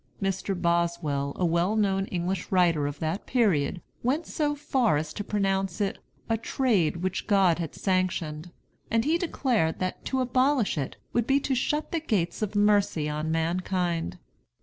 Mr. Boswell, a well known English writer of that period, went so far as to pronounce it "a trade which God had sanctioned"; and he declared that "to abolish it would be to shut the gates of mercy on mankind."